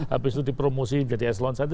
habis itu dipromosi jadi eslon satu